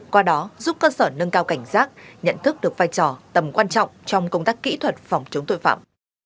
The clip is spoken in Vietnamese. qua đó giúp cơ sở nâng cao cảnh giác nhận thức được vai trò tầm quan trọng trong công tác kỹ thuật phòng chống tội phạm